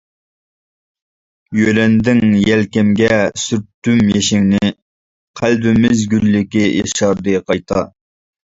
يۆلەندىڭ يەلكەمگە، سۈرتتۈم يېشىڭنى، قەلبىمىز گۈللۈكى ياشاردى قايتا.